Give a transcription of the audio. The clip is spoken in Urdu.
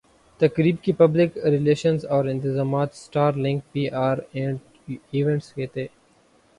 تقریب کی پبلک ریلشنزاورانتظامات star link P R and events کے تھے